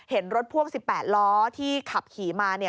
เห็นรถพ่วง๑๘ล้อที่ขับขี่มาเนี่ย